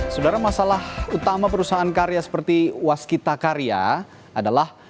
sebenarnya masalah utama perusahaan karya seperti waskita karya adalah